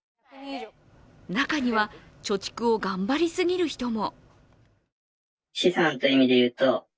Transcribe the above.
中には、貯蓄を頑張りすぎる人も。